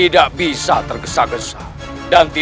dan setelah ini